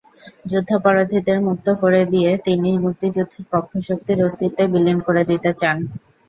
যুদ্ধাপরাধীদের মুক্ত করে দিয়ে তিনি মুক্তিযুদ্ধের পক্ষশক্তির অস্তিত্বই বিলীন করে দিতে চান।